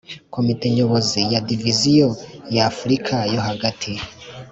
Komite nyobozi ya Diviziyo ya Afurika yo Hagati